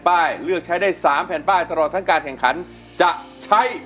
ป้ายเลือกใช้ได้๓แผ่นป้ายตลอดทั้งการแข่งขันจะใช้